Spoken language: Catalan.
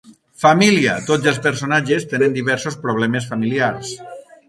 Família: tots els personatges tenen diversos problemes familiars.